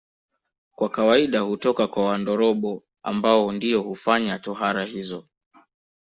Kwa kawaida hutoka kwa Wandorobo ambao ndio hufanya tohara hizo